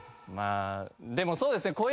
まあでもそうですね